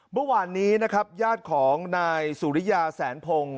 เมื่อวานนี้ญาติของนายสุริยาแสนพง